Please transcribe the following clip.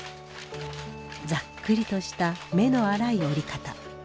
ざっくりとした目の粗い織り方。